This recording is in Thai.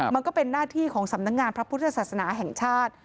มันก็เป็นหน้าที่ของสำนักงานพระพุทธศาสนาแห่งชาติ